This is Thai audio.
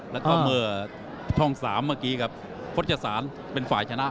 แล้วก็เมื่อช่อง๓เมื่อกี้ครับพจศาลเป็นฝ่ายชนะ